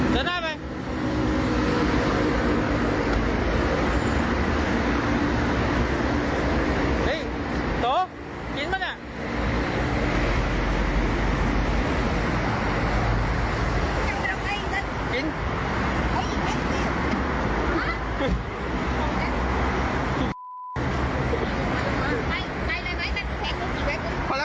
เฮ้ยโต๊ะกินมั้ยล่ะ